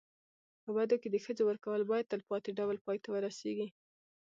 په بدو کي د ښځو ورکول باید تلپاتي ډول پای ته ورسېږي.